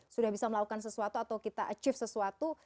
sudah bisa melakukan sesuatu atau kita achieve sesuatu